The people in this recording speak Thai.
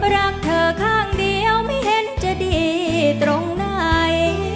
รักเธอข้างเดียวไม่เห็นจะดีตรงไหน